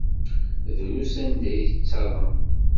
Drus anda ay yettaḍen.